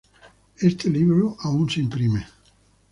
Este libro aún se imprime.